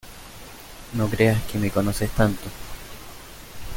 no creas que me conoces tanto.